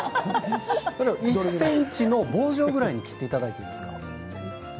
１ｃｍの棒状に切っていただいていいですか？